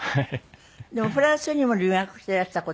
でもフランスにも留学していらした事がある。